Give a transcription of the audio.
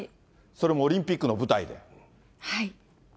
それもオリンピックの舞台で。